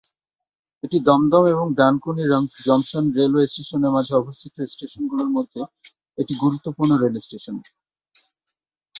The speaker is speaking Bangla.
এটি দমদম এবং ডানকুনি জংশন রেলওয়ে স্টেশনের মাঝে অবস্থিত স্টেশনগুলির মধ্যে একটি গুরুত্বপূর্ণ রেল স্টেশন।